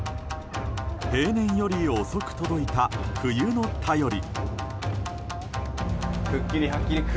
例年より遅く届いた冬の便り。